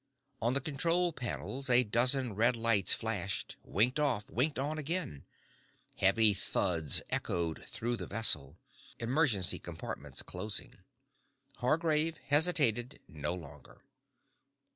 On the control panels, a dozen red lights flashed, winked off, winked on again. Heavy thuds echoed through the vessel. Emergency compartments closing. Hargraves hesitated no longer.